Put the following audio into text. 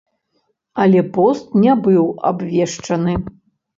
Але пост не быў абвешчаны.